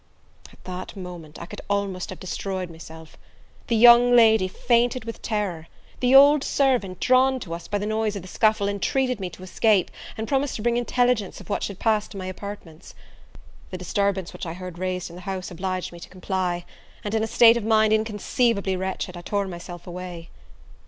At that moment I could almost have destroyed myself! The young lady fainted with terror; the old servant, drawn to us by the noise of the scuffle, entreated me to escape, and promised to bring intelligence of what should pass to my apartments. The disturbance which I heard raised in the house obliged me to comply; and, in a state of mind inconceivable wretched, I tore myself away.